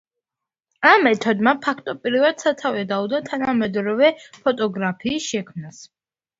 ამ მეთოდმა ფაქტობრივად სათავე დაუდო თანამედროვე ფოტოგრაფიის შექმნას.